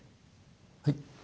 はい？